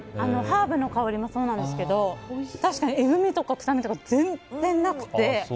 ハーブの香りもそうなんですけど確かに、えぐみとか臭みとかが全然なくて。